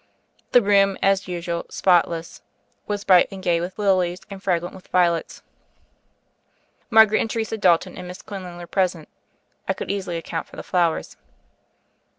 The room, as usual, spotless, was bright and gay with lilies, and fragrant with violets. Margaret and Teresa Dalton and Miss Quinlan were present : I could easily account for the flowers.